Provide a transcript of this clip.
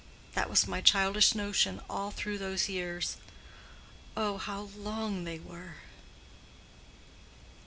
That was my childish notion all through those years. Oh how long they were!"